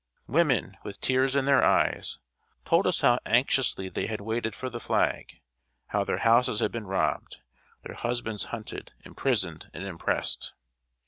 Women, with tears in their eyes, told us how anxiously they had waited for the flag; how their houses had been robbed, their husbands hunted, imprisoned, and impressed.